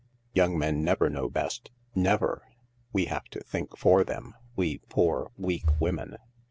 " Young men never know best — never. We have to think for them, we poor, weak women.